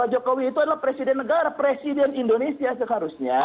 jokowi itu adalah presiden negara presiden indonesia seharusnya